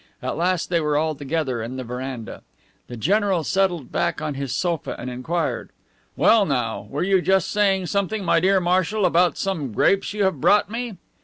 At last they were all together in the veranda. The general settled back on his sofa and inquired: "Well, now, were you just saying something, my dear marshal, about some grapes you have brought me?"